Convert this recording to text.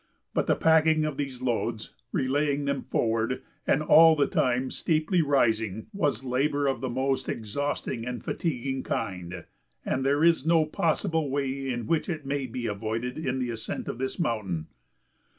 But the packing of these loads, relaying them forward, and all the time steeply rising, was labor of the most exhausting and fatiguing kind, and there is no possible way in which it may be avoided in the ascent of this mountain.